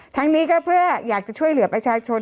ทั้งนี้ก็เพื่ออยากจะช่วยเหลือประชาชน